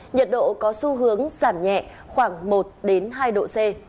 nhiệt độ có xu hướng giảm nhẹ khoảng một hai độ c